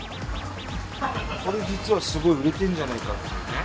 これ実はすごい売れてんじゃないかっていうね